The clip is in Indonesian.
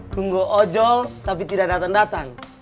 tunggu ojol tapi tidak dateng dateng